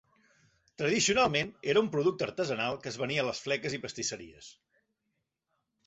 Tradicionalment era un producte artesanal que es venia a les fleques i pastisseries.